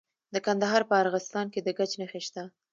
د کندهار په ارغستان کې د ګچ نښې شته.